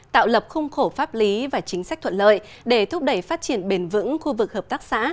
tạo lập khung khổ pháp lý và chính sách thuận lợi để thúc đẩy phát triển bền vững khu vực hợp tác xã